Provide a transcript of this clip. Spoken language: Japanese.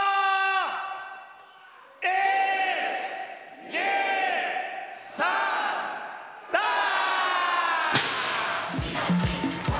１、２、３、ダー！